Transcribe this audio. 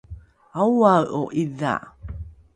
aoae’o ’idha?